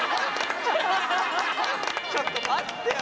ちょっと待ってよ！